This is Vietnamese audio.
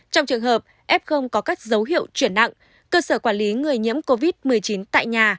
trong trường hợp f có các dấu hiệu chuyển nặng cơ sở quản lý người nhiễm covid một mươi chín tại nhà